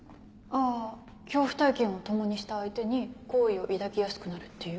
あぁ恐怖体験を共にした相手に好意を抱きやすくなるっていう？